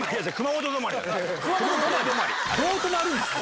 どう止まるんすか？